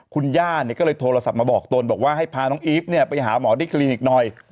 คุณย่าก็เลยโทรศัพท์มาบอกตนบอกว่าให้พาน้องอีฟไปหาหมอที่คลินิกหน่อย